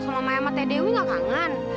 sama maya sama t dewi enggak kangen